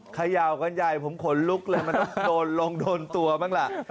เขย่ากันใหญ่ผมขนลุกเลยมันต้องโดนลงโดนตัวบ้างล่ะ